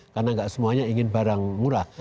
karena nggak semuanya ingin barang murah